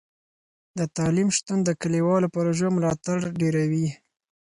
د تعلیم شتون د کلیوالو پروژو ملاتړ ډیروي.